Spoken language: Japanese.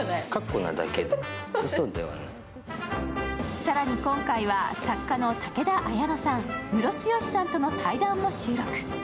更に今回は作家の武田綾乃さんムロツヨシさんとの対談も収録。